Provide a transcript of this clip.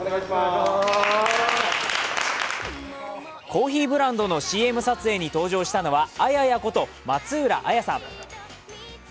コーヒーブランドのＣＭ撮影に登場したのはあややこと、松浦亜弥さん。